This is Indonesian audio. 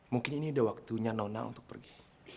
mungkin ini udah waktunya nona untuk pergi